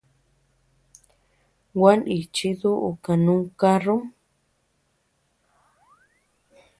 Gua nichi duʼu kanu karrum.